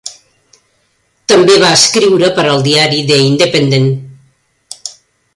També va escriure per al diari "The Independent".